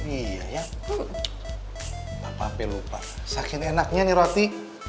iya ya papa sampai lupa saking enaknya nih roti